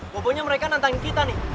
pokoknya mereka nantangin kita nih